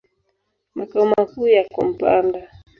Makao makuu yako Mpanda.